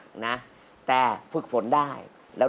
ร้องสิทธิ์สุดท้าย